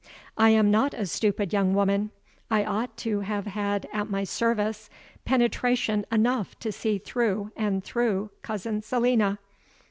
I am not a stupid young woman; I ought to have had at my service penetration enough to see through and through Cousin Selina.